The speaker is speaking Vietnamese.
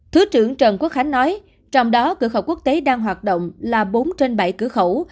thứ trưởng trần quốc khánh nói trong đó cửa khẩu quốc tế đang hoạt động là bốn trên bảy cửa khẩu